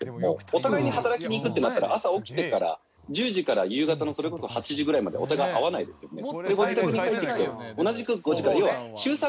お互いに働きに行くってなったら朝起きてから１０時から夕方のそれこそ８時ぐらいまでお互い会わないですよね。